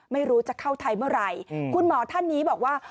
ไม่รู้จะเข้าไทยเมื่อไหร่คุณหมอท่านนี้บอกว่า